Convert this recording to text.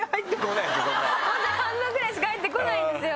本当に半分ぐらいしか入ってこないんですよ。